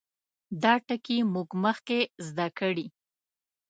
دا ټګي موږ مخکې زده کړې.